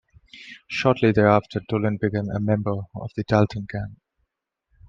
Shortly thereafter, Doolin became a member of the Dalton Gang.